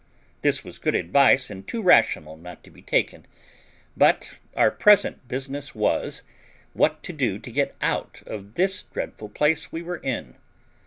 This was good advice, and too rational not to be taken; but our present business was, what to do to get out of this dreadful place we were in.